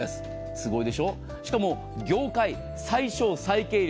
すごいでしょう、しかも業界最小最軽量。